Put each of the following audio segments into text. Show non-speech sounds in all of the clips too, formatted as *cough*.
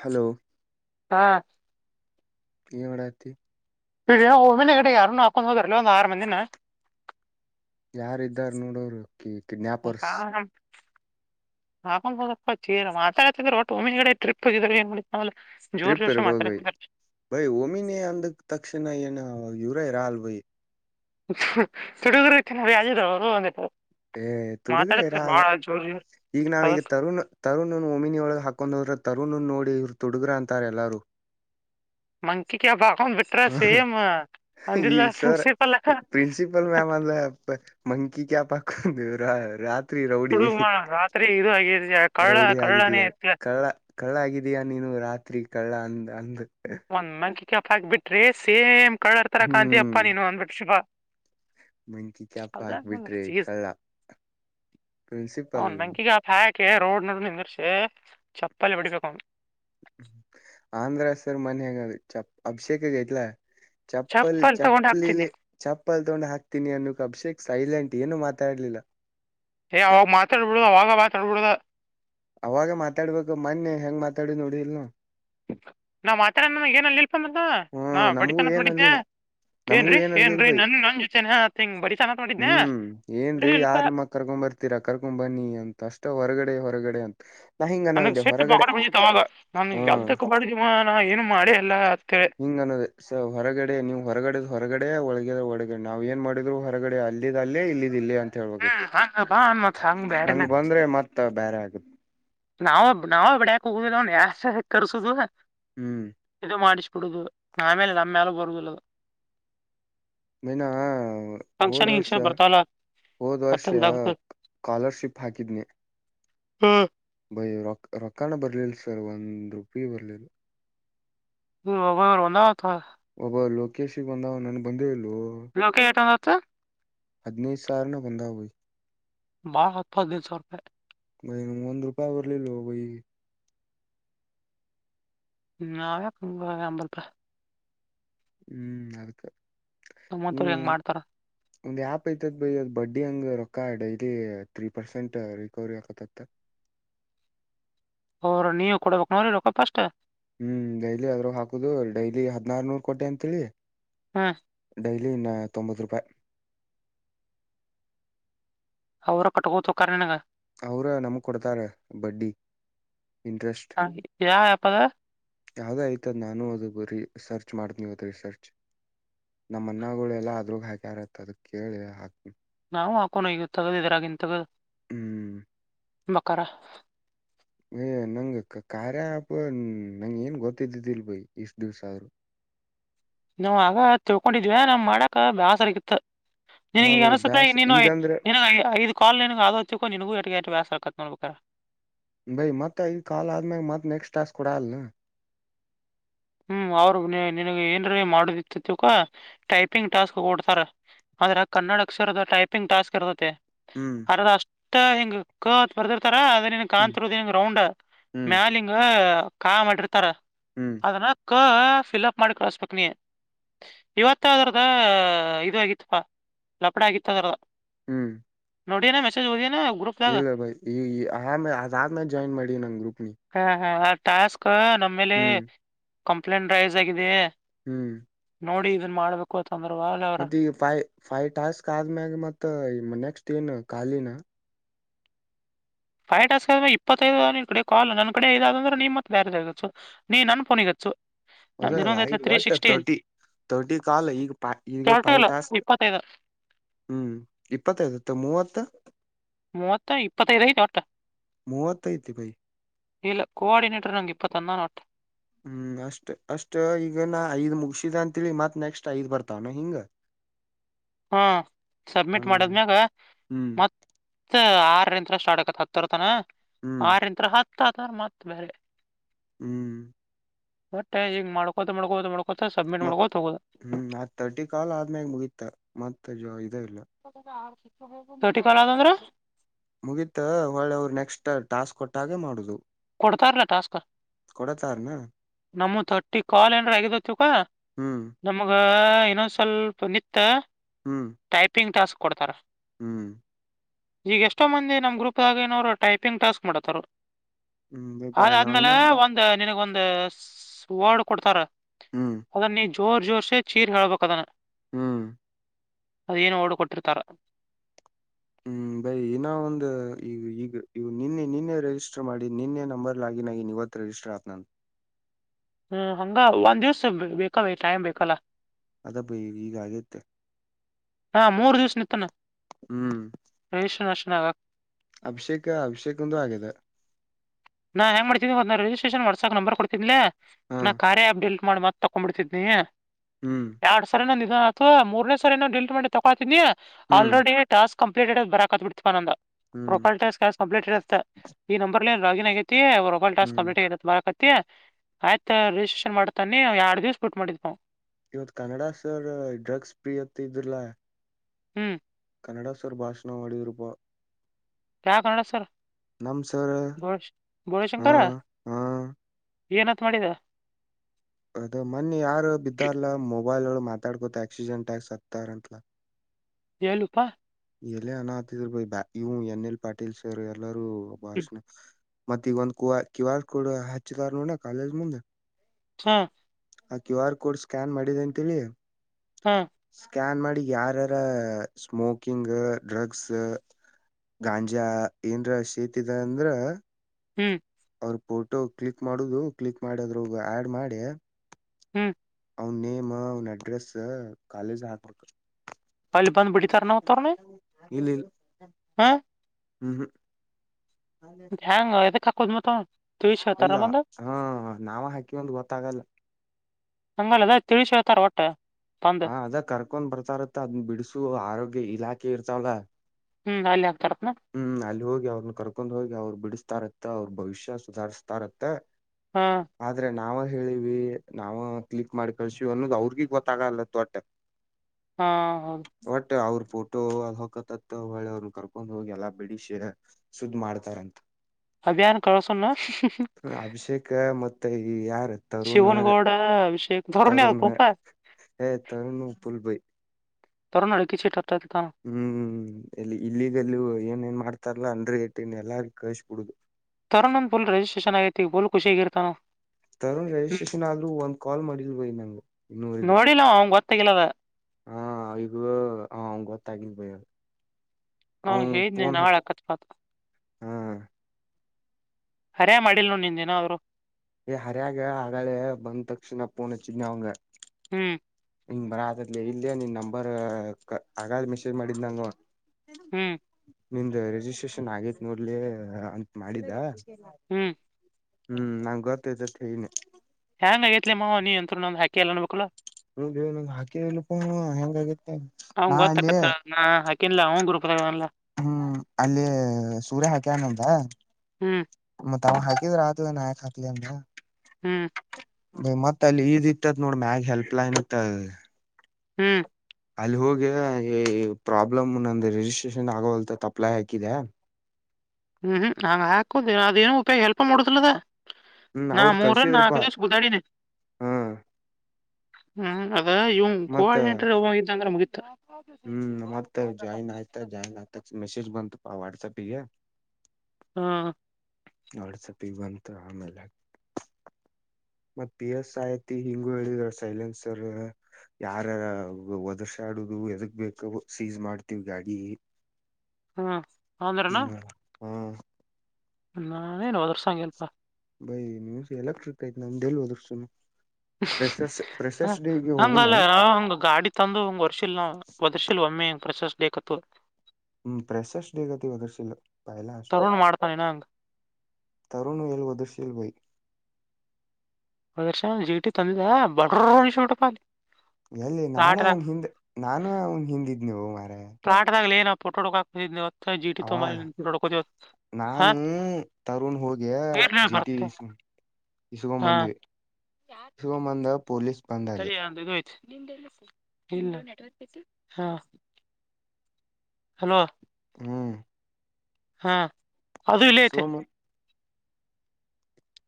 Hello. ಹಾ. ಏನ್ ಮಾಡತಿ. ಮ್ಮಿನ ಕಡೆ ಯಾರು ಆಪ್ಪಂದರಲ ಒಂದ ಆರು ಮಂದಿನ ಯಾರ್ದಾರ ನೋಡೋರು. ಕಿ ಕಿಡ್ನಾಪರ್ಸ್ ಹಾ ಹಾಕೊಂಡ್ಬೋದಪ್ಪ ಚೀರ ಮಾತಾಡ್ತಿದ್ರ ಒಟ್ಟ ಒಮ್ಮಿನಗಡೆ ಟ್ರಿಪ್ ಹೋಗಿದ್ರ ಏನ್ ಮಾಡಿ ಟ್ರಿಪ್ ಇರ್ಬೋದು ಭ ಭೈ ಮಿನಿ ಅಂದ ತಕ್ಷಣ ಏನ ಇವರರಲ್ ಭಯಿ ಸಿಡಿದರುತಿ ನ ಯಿದ ಅವರು ಒಂದ ಏ ತುಡುಗ್ರೆ ಮಾತಾಡತಾರೆ ಇರಲ್ ಬಾಳ ಜೋ ಈಗ ನಾವ ಈಗ ತರುಣ ತರುಣನ್ನು ಒಮಿನಿಯ ಒಳಗೆ ಹಾಕೊಂಡ್ ಹೋದ್ರೆ ತರುಣ ನೋಡಿ ಇವರು ತುಡುಗ್ರ ಅಂತಾರ ಎಲ್ಲಾರೂ. ಮಂಕಿ ಕ್ಯಾಪ್ *inaudible* ಹ್ಮ ಸೇಮ್ ಈ ಅಂದಿಲ್ಲ ಸರ್ ಪ್ರಿನ್ಸಿಪಲ್ ಪ್ರಿನ್ಸಿಪಲ್ ಮ್ಯಾಮ್ ಅಂದ್ರ ಮಂಕಿ ಕ್ಯಾಪ್ ಗರ ರತ್ ರೌಡಿ ಹುಡುಗ ರಾತ್ರಿ ಇದು ಆಗಿ ಕಳ್ಳ ರೌಡಿ ಕಳ್ಳನೇ ಆಗಿದಯ ಇತ್ತ ಕಳ್ಳ ಕಳ್ಳ ಆಗ ಇದಯಾ ನೀನು ರಾತ್ರಿ ಕಳ್ಳ ಅಂದ್ ಅಂದ ಒಂದು ಮಂಕಿ ಕ್ಯಾಪ್ಪ ಹಾಕಿಬಿಟ್ರಿ ಸೇಮ್ ಕಳರ್ ರ ಕಾಂತಿ ಅಪ್ಪ ನೀನು ಅಂದ್ಬಿಟ್ಟು ಬಾ, ಮುಂಕಿ ಕ್ಯಾಪ ಹಾಕ್ಬಿಟ್ರಿ ಕಳ್ಳ. ಪ್ರಿನ್ಸಿಪಲ್ ಅವನ್ ನಂಕಿಗ ಆಪ್ ಹಾಕೆ ರೋಡ್ ನೋಡ್ ನಿಂದರ್ಸಿ ಚಪ್ಪಲಿ ಬಿಡಿಬೇಕ ಅವನ. ಆಂಧ್ರ ಸರ್ ಮನ್ಗ ಚ ಅಭಿಷೇೇಕಗಯಲ ಚಪ್ಪಲ್ ತಗೊಂಡ್ ಹಾಕ್ತೀನಿ ಚಪ್ಪಲಿಲಿ ಚಪ್ಪಲ್ ತಗೊಂಡು ಹಾಕ್ತೀನಿ ಅನ್ನೋಕ್ ಅಭಿಷೇಕ್ ಸೈಲೆಂಟ್ ಏನು ಮಾತಾಡ್ಲಿಲ್ಲ ಏ ಅವಾಗ ಮಾತಾಡ್ಬಿಡುದ ಅವಾಗ ಮಾತಾಡ್ಬಿಡುದ. ಅವಾಗ ಮಾತಾಡ್ಬೇಕು ಮೊನ್ನೆ ಹೆಂಗ್ ಮಾತಾಡ ನೋಡಿ ಇಲ್ನೋ. ನಾ್ ಮಾತಾಡೋಣ ನಮಗೆ ಏನಲ್ಲಿ ನಿಲ್ಪ ಮ್ದ ಹ್ಮ ನಾ ನಮಗೂ ಬಡಿತನತ್ ಏನ್ ಬಡಿದ್ದೆ? ಅನ್ಲಿಲ್ಲ ನಮಗೂ ಏನ್ರರಿ ಏನ್ ಅನ್ಲಿಲ್ ಏನ್ರರಿ ಬೈ ನನ್ ನನ್ ಜೊತೆನೆ ತಿಂಗ್ ಬಡ ಹ್ಮ್ ಏನ್ರೀ ತಾನತ್ಗೊಂಡಿದನೆಲ್ಪ. ಯಾರ್ ನಮಗ್ ಕರ್ಕೊಂಡ್ ಬರ್ತೀರಾ ಕರ್ಕೊಂಬನ್ನಿ ಅಂತ ಅಷ್ಟ ಹೊರಗಡೆ ಹೊರಗಡೆ ಅಂತ ನಾ ಹಿಂಗ ನನಗ್ ಅನ್ನೋದೆ ಸೆಟ್ಟ ಹೊರಗಡೆ ಬಜತ್ ಅವಾಗ ನನ್ಗ್ ಹ್ಮ್ ಎಲ್ದಕ್ ಬಡ್ದಮ್ಮ ನಾ ಏನು ಮಾಡೆ ಎಲ್ಲ ಹಿಂಗ್ ಅನ್ನೋದ ಹೊರಗಡೆ ನೀವು್ ಹೊರಗಡೆ ಹೊರಗಡೆ ಒಳಗೆದ ಒಳಗಡೆ ನಾವ್ ಏನ್ ಮಾಡಿದ್ರು ಹೊರಗಡೆ ಅಲ್ಲಿದ ಅಲ್ಲೇ ಇಲ್ಲದಿಲ್ಲೇ ಅ ಹಳ್ಬಿ ಹ್ಮ್ ಹಂಗ ಬಾ ಅನ್ ಮತ್ ಹಂಗ್ ಬ್ಯಾರೆನ ಹಂಗ ಬಂದ್ರೆ ಮತ್ತ ಬೇರೆ ಆಗತ್ ನಾವ ನಾವ ಬಿಡ ಕೂ ಯ ಕಸು ಹ್ಮ್ ಇ ಮಾಡ ಹಡದು ಆಮೇಲೆ ನಮ್ಮ್ಯಾಲ ಬರುದಿಲ್ಲದು ಮೇನಾ ಹೋದ್ ವರ್ಸ ಗಿಂಕ್ಷನ್ ಬರ್ತಾವಲ್ಲ ಹೋದ್ ವರ್ಷ ಕತ್ತಲ್ದಾಗ ಸ್ಕಾಲರ್ಶಿಪ್ ಹಾಕಿದ್ನೆ. ಬೈ ರೊ ರೊಕಣ ಬರ್ಲಿಲ್ಲ ಸರ್ ಒಂದ್ ರೂಪಾಯಿ ಬರ್ಲಿಲ್ಲ. ಹಬ ರೋಂದತ ಒಬ್ಬ ಲೋಕೇಶಿಗೆ ಬಂದಾವ ನನು ಬಂದಿಲ್ಲ. ಲೋಕೇ ಎಟಂತತ್ತ ಹದಿನೈ ಸಾರ ನ ಬಂದೋ ಬಾಯಿ ಬಾಳ ಆತ್ ನಾ, ಹತ್ತು ಹದಿನೈದು ಸಾವಿರ ರೂಪಾಯಿ. ಬೈ ನಮ್ಗ್ ಒಂದ್ ರೂಪಾಯಿ ಬರಲಿಲ್ಲೋ ಬೈ ಹ್ಮ ನಾವ್ಯಾಂಬರ್ತ ಹ್ಮ್ ಅದಕ್ಕ ನಮ್ಮತ್ ಹೆಂಗ್ ಮಾಡ್ತಾರ ಒಂದ್ ಆ್ಯಪ್ ಐತತ್ ಬೈಿ, ಅದ್ ಬಡ್ಡಿ ಹಂಗ್ ರೊಕ್ಕ ಡೈಲಿ ತ್ರೀ ಪರ್ಸೆಂಟ್ ರಿಕವರಿ ಆಕತತ್ *inaudible* ಅವ್ರ ನೀವು ಕೊಡ್ಬೇಕಕ್ ನೋ್ರೀ ರೊಕಪ್ಪ ಪಷ್ಟ, ಹ್ಮ್ ಡೈಲಿ ಆದದ್ರೂ ಹಾಕುದು, ಡೈಲಿ ಹದನಾರನೂರ್ ಕೊಟ್ಟಿ ಅಂತೇಳಿ ಹ್ಮ *inaudible* ನ್ನ ತೊಂಬತ್ತು ರೂಪಾಯ ಅವ್ರ ಕಟ್ಟಕೋತ ಹೋಕ್ಕಾರ ನೀನಗ ಅವರ ನಮ್ ಕೊಡ್ತಾರ ಬಡ್ಡಿ ಇಂಟ್ರೆಸ್ಟ್ ಯಾ ಆ್ಯಪ್ ಅದ ಯಾವ್ದ ಆಯ್ತ ಅದ್ ಗುರಿ ನಾನು ಅದು ರಿಸರ್ಚ್ ಮಾಡನವು ಅದು ರಿಸರ್ಚ್ ನಮ್ಮ ಅಣ್ಣಗಳು ಎಲ್ಲಾ ಅದ್ರಗ್ ಹಾಕ್ಯಾರತ ಅದ ಕೇಳಿ ಹಾಕಬಕ್ ನಾವು ಹಾಕೋ ಈಗ ತಗದ್ರಗನ್ ತಗ ಹ್ಮ್ ಮಕಾರ ಯ ನಂಗ ಕಾರ್ಯ ಆಪ್ ನಂಗ ಏನ್ ಗೊತ್ತಿದ್ದಿದ್ದಿಲ್ ಭೈ ಇಷ್ಟ್ ದಿವ್ಸ ಆದ್ರು ನಾವು ಆಗ ತಿಳ್ಕೊಂಡಿದ್ವಿ ನಾ ಮಾಡಾಕ ಬೇಸರಗಿತ್ ನಿನ ಹಾ ಈಗ ಬೈ ಅನ್ಸುತ್ತೆ ಬ್ಯಾಸ್ ನೀನು ಈಗಂದ್ರೆ ಐದ ಕಾಲ್ ನಿನ ಅತ್ತಕ್ಕ ನಿನಗೂ ಬ್ಯಾಸ ಕಟ್ ಮಾಡೋಡ್ಬೇಕಾರ ಬೈ ಮತ್ತ ಐದು ಕಾಲ ಆದ್ಮ್ಯಾಗ ಮತ್ ನೆಕ್ಸ್ಟ್ ಟಾಸ್ಕ್ ಕೊಡ್ಲಾನು. ಹ್ಮ್ ಅವ್ರಗ್ ನಿನಗ್ ಏನ್ರೀ ಮಾಡುದಿತ್ತು ತಿಳ್ಕೊ ಟೈಪಿಂಗ್ ಟಾಸ್ಕ್ ಕೋಡ್ತಾರ ಆದ್ರ ಆ ಕನ್ನಡ ಅಕ್ಷರ ಟೈಪಿಂಗ್ ಟಾಸ್ಕ್ ಇರ್ತತೆ ಹ್ಮ್ ಅರದ ಅಷ್ಟ ಹೆಂಗ ಕ ಬರ್ದ ಅದನ್ ಹ್ಮ್ ಕಾಣತಿರುದುಂಗ ರೌಂಡ್ ಹ್ಮ್ ಮ್ಯಾಲಿಂಗ ಕಾ ಮಾಡಿರ್ತಾರ ಹ್ಮ್ ಅದನಕ ಫಿಲ್ಅಪ್ ಮಾಡಿ ಕಳಸಬಕ್ ನೀ ಇವತ್ತ ಅದ್ರದ ಇದ ಆಗಿತ್ತಪ್ಪಾ ಲಪಡ ಆಗಿತ್ತ ಅದ್ರದ ಹ್ಮ್ ನೋಡಿನ ಮೆಸ್ಸೇಜ್ ಓದಿ ಇಲ್ಲ ಬೈ ಈ ಆಮೇ ಅದಾದ್ಮೇಲೆ ಜಾಯಿನ್ ಮಾಡಿ ನಂಗ ಗ್ರೂಪ್ ನಿ ಹಾ ಹಾ ಆ ಟಾಸ್ಕ್ ನಮ್ಮ ಮೇಲೆ ಹ್ಮ್ ಕಂಪ್ಲೇಂಟ್ ರೈಸ್ ಆಗಿದೆ. ಹ್ಮ್ ನೋಡಿ ಇದನ್ ಮಾಡ್ಬೇಕು ಅಂತಂದ್ರ ವಾಲ ಅವ್ರ ಮತ್ತ ಈಗ ಫೈ ಫೈವ್ ಟಾಸ್ಕ್ ಆದ್ಮ್ಯಾಗ ಮತ್ ನೆಕ್ಸ್ಟ್ ಏನು ಕಾಲಿನ ಫೈ ಟಾಸ್ಕ್ಆದಮೇಲೆ ಇಪ್ಪತ್ತೈದು ನಿನ್ ಕಡೆ ಕಾಲ್ ನನ್ನ ಕಡೆ ಐದ ಅದ ಅಂದ್ರೆ ನೀವು ಮತ್ತೆ ಬೇರೆದವರಿಗೆ ಹಚ್ಚು ನೀ ನನ್ನ ಫೋನಿಗಚ್ಚು. ಅದ ಈಗ ಒಟ್ಟ ಥರ್ಟಿ ಥರ್ಟಿ ಕಾಲ ಈಗ ಫೈ ಈಗ ಪೈ ಟೋಟಲ್ ಟಾಸ್ಕ್ ಇಪ್ಪತ್ತೈದು ಹ್ಮ್ ಇಪ್ಪತ್ತೈದತ್ತು ಮೂವತ್ತು ಮೂವತ್ತ ಇಪ್ಪತ್ತೈದ ಐತಿ ವಟ್ಟ್ ಮೂವತ್ತೈತಿ ಬೈ ಇಲ್ಲ ಕೋಆರ್ಡಿನೇಟರ್ ನಂಗೆ ಇಪ್ಪತ್ತ ಅಂದನಾ ವಟ್ಟ್ ಹ್ಮ್ ಅಷ್ಟ ಅಷ್ಟ ಈಗ ನಾ ಐದ್ ಮುಗಸಿದ ಅಂತಿ ಮತ್ ನೆಕ್ಸ್ಟ್ ಐದ್ ಬರ್ತಾವ್ನ ಹಿಂಗ ಹಾ ಸಬ್ಮಿಟ್ ಹಂಗ ಮಾಡದ್ಮ್ಯಾಗ ಹ್ಮ್ ಮತ್ತ ಆರ ಇತ್ರ ಸ್ಟಾರ್ಟ್ ಆಕತ್ ಹತ್ತರತನ ಹ್ಮ್ ಆರ ನಿತ್ರ ಹತ್ತತಾರ ಮತ್ ಬೇರೆ ಹ್ಮ್ ಬಟ್ಟೆ ಈಗ ಮಾಡ್ಕೋತ ಮಾಡ್ಕೋತ ಮಾಡ್ಕೋ ಮತ್ ಹ್ಮ್ ಆ ತರ್ಟಿ ಕಾಲ್ ಆದ್ಮ್ಯಾಗ ಮುಗೀತ ಮತ್ತ ಜ ಇದ ಇಲ್ಲ ಥರ್ಟಿ ಕಾಲ್ ಆತ ಅಂದ್ರ ಮುಗೀತ ಹೊಳ್ಳಿ ಅವ್ರು ನೆಕ್ಸ್ಟ್ ಟಾಸ್ಕ್ ಕೊಟ್ಟಾಗ ಮಾಡುದು ಕೊಡ್ತಾರಲ್ಲ ಟಾಸ್ಕ್ ಕೊಡತಾರನ ನಮ್ಮ ತರ್ಟಿ ಕಾಲ್ ಏನ್ ಆಗ ಹ್ಮ್ ನಮಗ ಇನ್ನೊಂದ ಸ್ವಲ್ಪ ನಿತ್ತ ಹ್ಮ್ ಟೈಪಿಂಗ್ ಟಾಸ್ಕ್ ಕೊಡ್ತಾರ ಹ್ಮ್ ಈಗ ಎಷ್ಟೋ ಮಂದಿ ನಮ್ಮ ಗ್ರೂಪ್್ದಾಗ ಏನವರು ಟೈಪಿಂಗ್ ಟಾಸ್ಕ್ ಮಾಡುತ್ತಾರೆ ಹ್ಮ್ ಬೈ ಬಾಳ್ ನಾವಿನ ಅದಾದ್ಮೇಲೆ ಒಂದ ನಿನಗ್ ಒಂದ ಸ ವರ್ಡ್ ಕೊಡ್ತಾರ ಹ್ಮ್ ಅವಾಗ್ ನೀ ಜೋರ್ ಜೋರ್ಸೆ ಚೀರ್ ಹೇಳ್ಬೇಕ್ ನೀ ಅದನ್ನ ಹ್ಮ್ ಅದೇನು ವರ್ಡ್ ಕೊಟ್ಟಿರ್ತಾರ ಹ್ಮ್ ಬೈ ಇನ ಒಂದು ಈಗ ಈಗ ಇ ನಿನ್ನೆ ನಿನ್ನೆ ರೆಜಿಸ್ಟರ್ ಮಾಡಿ ನಿನ್ನೆ ನಂಬರ ಲಾಗಿನ್ ಆಗೀನಿ ನನ್ ಇವತ್ತು ರಜಿಸ್ಟರ ಆತ ನಂದ ಹ್ಮ ಹಂಗ ಒಂದ್ ದಿವ್ಸ ಬೇಕಾವ ಟೈಮ್ ಬೇಕಲ್ಲ ಅದ ಬೈ ಈಗ ಆಗತ್ತೆ. ಹಾ ಮೂರು ದಿವ್ಸ ನಿಂತನಾ ಹ್ಮ್ ಎಷ್ಟ ನಶನಾಗ ಅಭಿಷೇಕ ಅಭಿಷೇಕಂದು ಆಗಿದೆ ನಾ ಹೆಂಗ ಮಾಡತೀನಿ ನ ರಜಿಸ್ಟ್ರೇಷನ್ ವಟ್ಆಪ್ ನಂಬರ್ ಕೊಡ್ತಿದನ್ಿ ಹಾ ನಾ ಕಾರ್ಯಪ್ಡಟ್ ಮಾಡಿ ಮತ್ ತಕೊಂಡ್ ಬಿಿಡ್ತಿದ್ನಿ ಹ್ಮ್ ಎರಡ್ ಸರ ನ ಅಥ್ ಮೂರನೇ ಸರ್ ಏನ ಡಿಟ್ ಮಾಡಿ ತೊಕಾತಿದನಿ ಹ್ಮ್ ಆಲ್ರೆಡಿ ಾಸ್ಕ್ ಕಂಪ್ೀಟ್ ಬರಾಕತ್ ಬಿಡ್ತಿವ ನೊಂದು ಹ್ಮ್ ರೊಬೈಲ್ ಟಾಸ್ಕ್ ಕಂಪ್ಲೀಟ್ ಇರುತ್ತೆ ಈ ನಂಬರ್ಲ್ಲಿ ಲ ರಾಗಿನ್ ಆಗೈತಿ ರೊಬೈಲ್ ಟಾಸ್ಕ್ ಹ್ಮ್ ಕಂಪ್ಲೀಟ್ ಆಗರುತ್ತ ಮರ ಮ ಆಯ್ತಾ ರಿಜಿಸ್ಟ್ರೇಷನ್ ಮಾಡತಾನೆ ಎರಡ್ ದಿವ್ಸ ಬಿಟ್ಟು ಮಾಡಿದ್ ನಾವ್ ಇವತ್ ಕನ್ನಡ ಸರ್ ಡ್ರಗ್ಸ್ ಪ್ರೀ ಅತ್ ಇದ್ರಲ ಹ್ಮ್ ಕನ್ನಡ ಸರ್ ಭಾಷಣ ಮಾಡಿದರುಪಾ ಯ ಕನ್ನಡ ಸರ್ ಸರ್ ಬ ಹಾ ಭೋಳಶಂಕರ ಹಾ ಏನತ್ ಮಾಡಿದ್ರು ಅದ ಮೊನ್ನಿ ಯಾರು ಬಿದ್ದಾರಲ್ಲಾ ಮೊಬೈಲ್ಳ ಮಾತಾಡ್ಕೊತ ಆಕ್ಸಿಜೆಂಟ್ ಟ್ಯಾಕ್ಸ್ ಹತ್ತಾರಂತಲ ಹೇಳಳುಪ್ಪಾ ಎಲ್ಲ ಅನ ಆತಿದ್ರ ಬೈ ಬ ಇವು ಎನ್ ಎಲ್ ಪಾಟೀಲ್ ಸರ್ ಎಲ್ಲಾರೂ ಭಾಷಣ ಮತ್ತ ಈಗ ಒಂದ್ ಕ ಕ್ಯ ಆರ್ ಕೋಡ್ ಹಚ್ಚಿದಾರ ನೋಡ ಕಾಲೇಜ್ ಮುಂದೆ ಹ್ಮ ಆ ಕ್ಯೂ ಆರ್ ಕೋಡ್ ಸ್ಕ್ಯಾನ್ ಮಾಡಿದೆ ಅಂತೇಳಿ ಹಾ ಸ್ಕ್ಯಾನ್ ಮಾಡಿ ಯಾರಾರ ಸ್ಮೋಕಿಂಗ್ ಡ್ರಗ್ಸ್ ಗಾಂಜಾ ಏನ್ ಶೇತ ಇದೆ ಅಂದ್ರ ಹ್ಮ್ ಅವ್ರ ಫೋಟೋ ಕ್ಲಿಕ್ ಮಾಡೋುದು ಕ್ಲಿಕ್ ಮಾಡಿದ್ರ ಆಡ್ ಮಾಡಿ ಹ್ಮ್ ಅವನ್ ನೇಮ್ ಅವ್ನ್ ಅಡ್ರೆಸ್ ಕಾಲೇಜ್ ಹಾಕ್ಬಡ್ತ ಅಲ್ಲಿ ಬಂದ್ ಬಿಡಿ ತರಣ ಹೊತ್ತರನ ಇಲ್ಲಿ ಹಾ ಹ್ಮ ಹ್ಮ *inaudible* ಹ್ಯಾಂಗ ಎದಕ್ ಹಾಕೋದ್ ಮ ಇಲ್ಲ ಹಾ ನಾವ ಹಾಕಿವ ಒಂದು ಗೊತ್ತಾಗಲ್ಲ ಹಂಗಲ್ಲ ಅದ ತಿಳಿಸಿ ಹೇಳ್ತಾರ ಒಟ್ಟೆ ಹ ಅದ ಕರ್ಕೊಂಡ್ ಬರ್ತಾರತ್ತ ಅದ್ ಬಿಡ್ಸು ಆರೋಗ್ಯ ಇಲಾಖೆ ಇರ್ತಾವಲ್ಲ ಹ್ಮ್ ಅಲ್ಲಾ ತರ *inaudible* ಹ್ಮ್ ಅಲ್ಲಿ ಹೋಗಿ ಅವ್ರನ್ನ ಕರ್ಕೊಂಡ್ ಹೋಗಿ ಅವ್ರು ಬಿಡಿಸಸ್ತಾ ಇರತ್ತೆ ಅವ್ರ ಭವಿಷ್ಯ ಸುಧಾರಸ್ತಾ ಇತ್ತೆ ಹ್ಮ್ ನಾವ ಹೇಳಿವವಿ ನಾವ ಕ್ಲಿಕ್ ಮಾಡಿ ಕಳ್ಸಿವವಿ ಅನ್ನೋದು ಅವ್ರಗಿಗ್ ಗೊತ್ತಾಗಲ್ಲ ತೋಟೆ ಹಾ ಹೌದು ಒಟ್ಟೆ ಅವ್ರ ಫೋಟೋ ಅ ಹಾಕತ್ತತ್ ಹೊಳೆ ಅವ್ರನ್ನ ಕರ್ಕೊ ಹೋಗ ಎಲ್ಲಾ ಬಿಡಿ ಶೇ ಸುದ್ ಮಾಡ್ತಾರಂತ ಅಭಿಯಾನ ಕಳಸಣ *inaudible* ಮ ಈ ಯ *unintelligible* ಶಿವನಗೌಡ ಅಭಿಷೇಕ್ ಧೋರಣಿ ಅದ ತರುಣ ಹ ಕೋಪ ಹೇ ತರುಣ ಪುಲ್ ಭೈ ತರೋನಾ *inaudible* ಹ್ಮ್ ಎಲ್ಲಿ ಇಲ್ಲಿಗಲ್ಲ ಏನೇನ್ ಮಾಡ್ತಾರಲ್ಲಾ ಅಂದ್ರೆ ಎಲ್ಲಾರಗ ಕಸಿ ಬಿಡದು ೊಂದು ಬು ರಜಿಸ್ಟ್ರಷನ್ ಆಗಐತಿ ಬು ಖುಷ ಆಗಿತಾನು ತರುಣ್ ರೆಜಿಸ್ರೇಷನ್ ಆದಗ ಒಂದು ಕಾಲ್ ಮಾಡಿಲ್ಲಬಯಿ ನಂಗ ಇನ್ನೂರಿಗೆ ಕ ಕೆಲವ ಹಾ ಅಗ ಹ ಅವಂಗ ತಗಬಯ ನಾ್ ಹೇಳನೇನ್ ನಾಳಕತ್ಪಾತ ಹ ಹರಯ ಮಾಡಿಲ್ನು ನಿನ್ೇಏನಾದ್ರು ಹರಿಯಾಗೆ ಹಡಳ ಬಂದ ತಕ್ಷಣ ಫೋನ್ ಚನ ಅವನಿಗೆ ಹ್ಮ್ ನಿಂಗ ಬರ ಅದ್ಲ ಇಲ್ಲಯ ನಿನ್ ನಂಬರ್ ಹಾಗಾದ ಮೆಸೇಜ್ ಮಾಡಿದ್ ನಂಗ *unintelligible* ಹ್ಮ್ ನಿಮ್ದ್ ರಿಜಿಸ್ಟ್ರೇಷನ್ ಆಗೇತ್ ನೋಡ್ಲಿ ಅಂತ ಮಾಡಿದ ಹ್ಮ್ ಹ್ಮ್ ನಂ ಗೊತ್ತೈತೆ ಹೇಳನಿ ಹ್ಯಾಂಗ ಆೈತಿಲಿಮ್ಮ ನೀ ಅಂತೂ ನಂದು ಹಾಕಿ ಎಲ್ಲ ಅನ್ಬೇಕುಾ *unintelligible* ಹ ಹಾಕಿದಲ್ಲ ಪ ಹೆಂಗಗತ್ತೆ ಅವಂಗ ನಾ ಅಲ್ಲಿಯೇ ಗೊತ್ತಾಕತ್ತ ನಾ ಹಾಕಿನ್ಲ ಅವ ಗ್ರೂಪ್ದಾಗಲ್ಲ ಹ್ಮ್ ಅಲ್ಲಿ ಸೂರ್ಯ ಹಾಕೆ ಅನ್ನದ ಹ್ಮ್ ಮತ್ತ ಹಕ ರಾತ ನಯಾಕತ್ಲಿ ಅಂದ *unintelligible* ಹ್ಮ್ ಮತ್ತತ್ ಅಲ್ಲಿ ಈ್ ಇತ್ತದ ನೋಡ ಮ್ಯಾಗ ಹೆಲ್ಪ್ಲೈನ್ ಇತ್ತದ ಹ್ಮ್ ಅಲ್ಲಿ ಹೋಗಿ ಈ ಪ್ರಾಬ್ಲಮ್ ನಂದು ರಿಜಿಸ್ಟ್ರೇಷನ್ ಆಗೋಲ್ತ ತಪ್ಲೈ ಹಾಕಿದೆ ಹ್ಮ್ ಹಂಗ ಹಾಕೋುದ ಅದೇನ ಉಪಾಯ ಹೆಲ್ಪ ಮಾಡಡುದಲದ *unintelligible* ಹ್ಮ್ ನಾ ಅವ್ರು ಮೂರು ನಾಲ್ಕು ಕಳ್ಸಿದ್ರಪಾ ದಿವಸ ಗುದಾಡಿನ ಹ್ಮ್ ಹ್ಮ್ ಇವ್ ಮತ್ತ ಕೋಆರ್ಡಿನೇಟರ್ ಅವಂಗ್ರೆ ಮುಗಿತ *inaudible* ಹ್ಮ್ ಮತ್ತ ಜಾಯಿನ್ ಆಯ್ತಾ ಜಾಯಿನ್ ಆಯ್ತ ಮೆಸೇಜ್ ಬಂದುತು ಪಾ ವಾಟ್ಸಪ್ ಕೆ ಹ್ಮ ಆ ವಾಟ್ಸಾಪ್ ಗೆ ಬಂತು ಆಮೇಲೆ ಮತ್ತ್ ಪಿ ಎಸ್ ಆಯತಿ ಹಿಂಗು ಹೇಳಿದ್ರ ಸೈಲೆನ್ಸರ್ ಯಾರ ಒದರ್ಷ ದುಡ್ಡು ಎದಕ್ ಬೇಕ ಸೀಜ ಮಾಡ್ತೀವಿ ಗಾಡಿ ಹ್ಮ ಅಂಧ್ರನಾ ಹ್ಮ ಹಾ ನಾನೇನು ಒದರ್ಸಂಗೇ ಲಪಾ *unintelligible* ಬೈ ನೀವುಸ ಎಕ್ಟ್ರಿಕ್ ಆಯ್ತ ನಮ್ದ ಎಲ್ ಅದ್ರಷ್ಟುನು *unintelligible* ಹ ಹಂಗಲ್ಲ ಹೋಗುನು ಹಂಗ ಗಾಡಿ ತಂದು ಒಂಗ್ ವರ್ಶಿಲ್ ನ ಒದರ್ಶಿಲ್ *unintelligible* *inaudible* ಪ್ರೋಸೆಸ್ ಬೇಕಾಗ್ತ *unintelligible* ಹ್ಮ್ ಪ್ರೆಸಸ್ ಗಳು ಇವಾಗ ಶಿಲ್ಲು ಅವೆಲ್ಲ ಅಷ್ಟೇ *unintelligible* ತರುಣ್ ಮಾಡ್ತಾನೇನ ಹಂಗ ತರುಣ್ ಏನ್ ಹೊದರ್ಶೀಲ್ ಬೈ ಅದರ್ಶ ಜೀಟಿ ತಂದ ಬಡ್ರ ಹೋದ್ರಿಸಿ ಬಿಟ್ಟಪ್ಪ ಅಲ್ಲಿ *unintelligible* ಎಲ್ಲಿ ನಾನ ಲಾಟ ಅವನ್ ಹಿಂದ ನಾನು ಅವನ್ ಹಿಂದಿದ್ನಿ ಹೋಗ ಪ್ಲಾಟ್ದ ಲೆ ನಾವು ಫೋಟೋ ಹೊಡ್ಕೋ ಮತೆಗೆ ಜೀಟಿ ತೊ ಅವಾಗ ಬಂದುಹೊಡ್ಕೊಂಡ್ ಇವೆಲ್ಲ *unintelligible* ನಾನು ತರುಣ್ ಹೋಗ್ಯ ಇರ್ಲಿ ಜಿಟಿ ಬರುತ್ತೆ ಇಸುಕ ಹಾ ಬಂದಿವೆ ಇಸುಗ ಬಂದ ಪೊಲೀಸ್ ಬಂದ ಅಲ್ಲಿ ಸರಿಯ ಅದು *unintelligible* ಇಲ್ಲ ಹಾ. ಹಲೋ ಹ್ಮ್ ಹಾ ಅದು ಇಲ್ಲಿ ಐತೆ. ಸೋಮ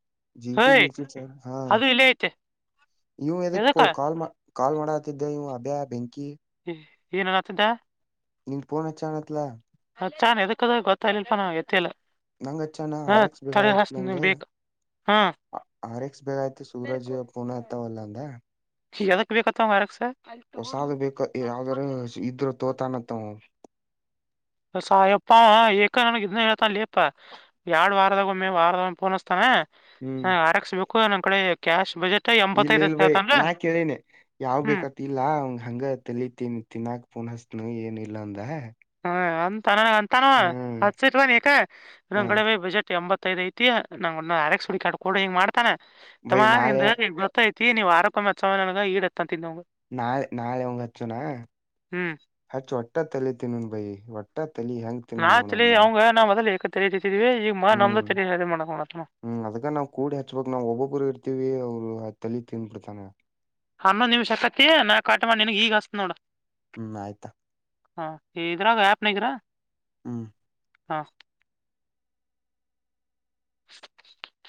*unintelligible* ಜಿಟಿ ಹೇಯ್ ಗೆಇನ್ಶೂರೆನ್ಸ್ ಹಾ ಅದು ಇಲ್ಲೇ ಐತೆ ಇವು ಎದಕ್ಕ ಇದಕ್ಕೆ ಕಲ್ ಮಾ ಕಾಲ್ ಮಾಡಕ್ಕತಿದ್ದ ಇವ ಅಭ್ಯೆ ಬೆಂಕಿ. ಏನ ಹೇಳಕ್ಕೆಗತಿದ್ದ *unintelligible* ನಿನಗೆ ಫೋನ್ ಹಚ್ಚಾ ನಂತ ಲಾ ಹಚಾನ್ ಎದಕ್ಕದು ಅಂತ ಗೊತ್ತಾಗ್ಲಿಲ್ಲಪ್ಪ ಎತ್ತಿಲ್ಲ *unintelligible* ನಂಗಚನ ಹಾ ಅರೆಕ್ಸ್ ತಡಿ ಬಗಾಯತ್ ನಂಗ ಹಚ್ತೀನಿ ಬೇಕ್ ಹಾ ಆರ್ ಎಕ್ಸ್ ಬೇಗ ಆಯತು ಸೂರಜ್ ಫೋನ್ ಎತವಲ್ಲ ಅಂದ ಯದಕ್ ಬೇಕತ್ತ ಮಾರಕ್ ಸರ್ *unintelligible* ಹೊಸದು ಬೇಕಂತ ಯಾವ್ದ್ರ ಇದ್ರ ತೋತಾನತ್ತ ಸಾಯಪ್ಪ ಏಕ ನನಗೆ ಇದ್ ಹೇಳ್ತಾನ ಲೇಪ್ಪ ಎರಡ್ ವಾರದಾಗ ಒಮ್ಮೆ ವಾರದ ಪೋನಸ್ತಾನ *unintelligible* ಹ್ಮ್ ಹ ಆರಕ್ಸ್ಬೇಕು ನನ್ ಕಡೆ ಕ್ಯಾಶ್ ಬಜೆಟ್ ಇಲ್ಲ ಎಂಬತ್ತೈದ್ ಇಲ್ ಅಂತ ಭಯ ಹೇಳ್ತಾನ್ಲ ನಾ ಕೇಳೇನೆ ಯಾವ್ ಹ್ಮ್ ಬೇಕತ್ ಇಲ್ಲ ಅವ್ ಹಂಗ ತಲ ತಿನ್ ತಿಿನಾ ಫೋನ್ ಹಚ್ನೆನ ಏನ ಇಲ್ಲ ಅಂದ ಹ ಅಂತ ಅಂತಾನ ಹ್ಮ್ ಹತ್ಸಟ್ವ ನ್ ಎಕೆ ಹ ನಮ್ಕಡೆ ಬಜೆಟ್ ಎಂಬತ್ತು *unintelligible* ಗೊತೈತಿ ನಂಗ ಅರೆಕ್ಸ್ ಹುಡುಕಿ ಆಡ್ಕೋಡು ಹಿಂಗ ಮಾಡ್ತಾನ ಬೈ ತಮ್ಮ ನಿನ್ ನಾಳೆ ಗೊತ್ತ್ ಹೈತಿ ನೀವ್ *unintelligible* ಹಚ್ಚವ ನನಗ ಈಡತ್ತಂ. ನಾಳೆ ನಾಳೆ ಅವಂಗ್ ಹಚ್ಚುನಾ ಹ್ಮ್ ಹಚ್ಚು ಒಟ್ಟ ತಲ್ಲಿ ತಿನ್ನುನ್ ಬೈ ಒಟ್ಟ ತಲಿ ಹೆಂಗ್ ತಿನ್ ನಾ ಹಚ್ಚಲಿ ನೋಡಣ ಅವಂಗ ನಾ ಮೊದಲು ಏಕ ತೆಲಿ ತಿಂದೀವಿ ಈಗ ಬಾ ನಮ್ದ ತೆಲಿ ಸರಿ ಮಾಡಕೊ ಅಚ್ಚುಮ. ಹ ಅದಕ್ ನಾವ್ ಕೂಡಿ ಹಚ್ಬಬೇಕ್ ನಾವು ಒಬ್ಬೊಬ್ಬರು ಇರ್ತಿವಿ ಅವರು ತಲಿ ತಿಂದನ್ಬಿಡ್ತಾನ ಅವ. ಹನ್ನೊಂದ್ ನಿಮಿಷಕತ್ತ ನಾ ಕಾಟ್ ಮಾಡಿ ನಿನಗ ಈಗ್ ಹಚ್ಚತಿ ನೋಡ. ಹ್ಮ್ ಆಯ್ತಾ ಹ ಇದ್ರಾ ಗ ಆಪ್ ನ ಗಿರ. ಹ್ಮ ಹಾ ಟ